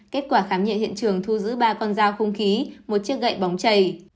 kết quả khám nhận hiện trường thu giữ ba con dao không khí một chiếc gậy bóng chày